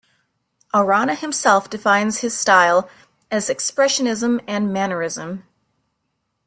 Arana himself defines his style as expressionism and mannerism.